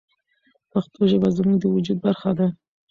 پښتو ژبه زموږ د وجود برخه ده.